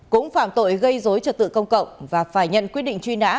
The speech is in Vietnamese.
cũng phạm tội gây dối trật tự công cộng và phải nhận quyết định truy nã